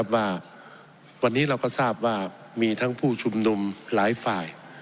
ว่าวันนี้เราก็ทราบว่ามีทั้งผู้ชุมนุมหลายฝ่าย